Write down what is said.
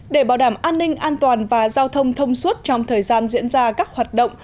để bảo đảm an ninh an toàn và giao thông thông suốt trong thời gian diễn ra các hoạt động